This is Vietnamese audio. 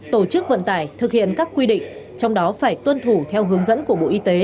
tổ chức vận tải thực hiện các quy định trong đó phải tuân thủ theo hướng dẫn của bộ y tế